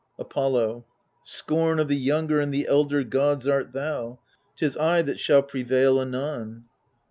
Apollo Scorn of the younger and the elder gods Art thou : 'tis I that shall prevail anon.